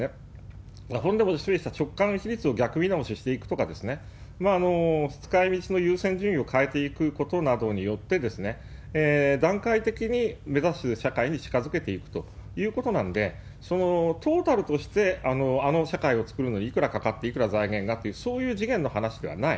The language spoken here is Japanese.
その上で、を逆見直ししていくですとか、使いみちの優先順位を変えていくことなどによって、段階的に目指す社会に近づけていくということなんで、そのトータルとして、あの社会を作るのにいくらかかって財源がという、そういう次元の話ではない。